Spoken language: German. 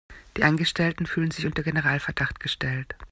Die Angestellten fühlen sich unter Generalverdacht gestellt.